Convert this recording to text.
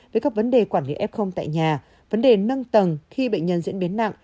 với các vấn đề quản lý f tại nhà vấn đề nâng tầng khi bệnh nhân diễn biến nặng